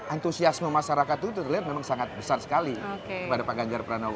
antusiasme masyarakat itu terlihat memang sangat besar sekali kepada pak ganjar pranowo